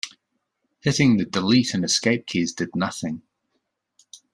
Hitting the delete and escape keys did nothing.